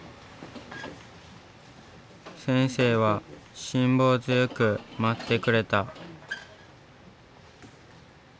先生は辛抱強く待ってくれた。